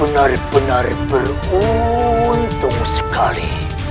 penarik penarik beruntung sekali